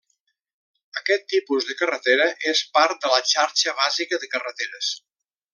Aquest tipus de carretera és part de la xarxa bàsica de carreteres.